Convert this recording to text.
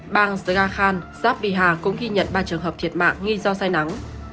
bang zagakhan giáp bihar cũng ghi nhận ba trường hợp thiệt mạng nghi do sai nắng